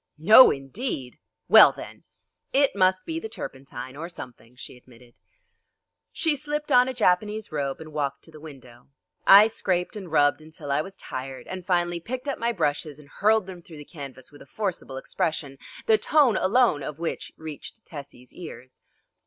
"No, indeed!" "Well, then!" "It must be the turpentine, or something," she admitted. She slipped on a Japanese robe and walked to the window. I scraped and rubbed until I was tired, and finally picked up my brushes and hurled them through the canvas with a forcible expression, the tone alone of which reached Tessie's ears.